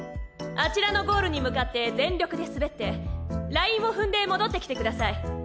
あちらのゴールに向かって全力で滑ってラインを踏んで戻ってきてください。